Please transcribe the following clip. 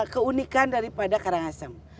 keunikan daripada karangasem